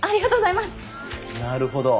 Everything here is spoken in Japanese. なるほど。